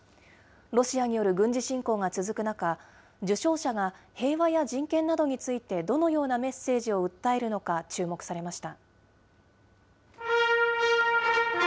ロシアによる軍事侵攻が続く中、受賞者が平和や人権などについてどのようなメッセージを訴えるのか注目されました。